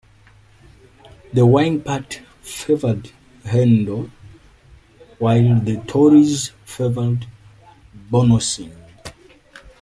The Whig party favored Handel, while the Tories favored Bononcini.